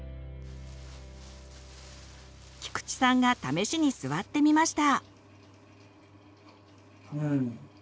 菊地さんが試しに座ってみました。